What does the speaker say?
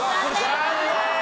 残念！